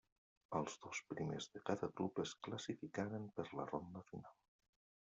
Els dos primers de cada grup es classificaren per la ronda final.